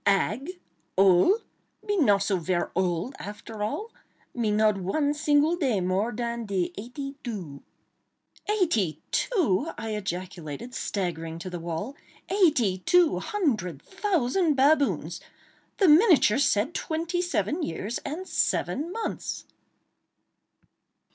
"Ag?—ole?—me not so ver ole, after all! Me not one single day more dan de eighty doo." "Eighty two!" I ejaculated, staggering to the wall—"eighty two hundred thousand baboons! The miniature said twenty seven years and seven months!"